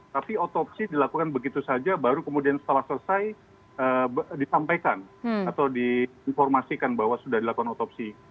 tapi otopsi dilakukan begitu saja baru kemudian setelah selesai disampaikan atau diinformasikan bahwa sudah dilakukan otopsi